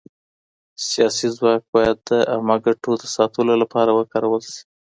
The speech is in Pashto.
سياسي ځواک بايد د عامه ګټو د ساتلو لپاره وکارول سي.